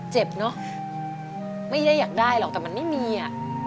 เนอะไม่ได้อยากได้หรอกแต่มันไม่มีอ่ะ